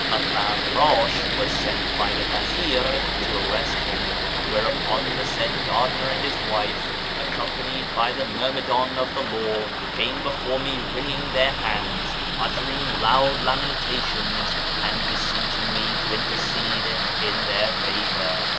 A farrdsh was sent by the vazir to arrest him ; whereupon the said gardener and his wife, accompanied by the myrmidon of the law, came before me wringing their hands, uttering loud lamentations, and beseeching me to intercede in their favour.